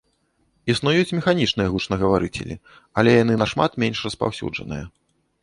Існуюць механічныя гучнагаварыцелі, але яны нашмат менш распаўсюджаныя.